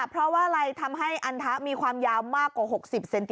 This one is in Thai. เป็นแพทย์เฉพาะทางวิทยาศาสตร์ฟื้นฟู